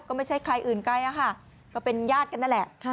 ก็ไม่ใช่ใครอื่นไกลอะค่ะก็เป็นญาติกันนั่นแหละ